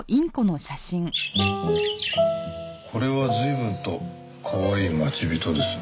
これは随分とかわいい待ち人ですね。